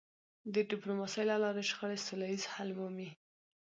د ډيپلوماسی له لارې شخړې سوله ییز حل مومي.